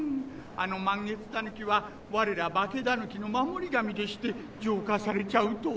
あの満月狸は我ら化け狸の守り神でして浄化されちゃうと。